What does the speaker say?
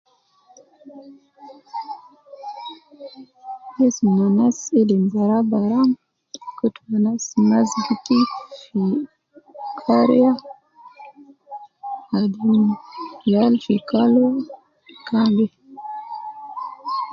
gesim na anas ilim baraa baraa, kut na anas masjidi umm kariya, wedi yal fi kalwa. umm